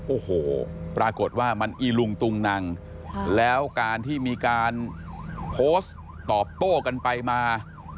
โอ้โหปรากฏว่ามันอีลุงตุงนังแล้วการที่มีการโพสต์ตอบโต้กันไปมา